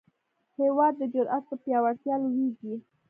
هېواد د جرئت په پیاوړتیا لویېږي.